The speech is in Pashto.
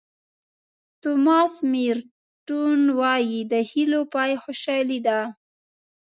توماس مېرټون وایي د هیلو پای خوشالي ده.